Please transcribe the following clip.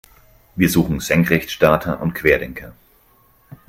Wir suchen Senkrechtstarter und Querdenker.